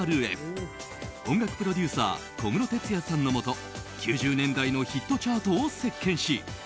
音楽プロデューサー小室哲哉さんのもと９０年代のヒットチャートを席巻しＣＤ